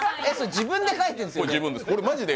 自分で書いてんですよね